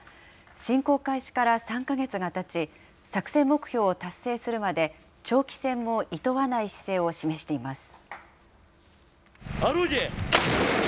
侵攻開始から３か月がたち、作戦目標を達成するまで、長期戦もいとわない姿勢を示しています。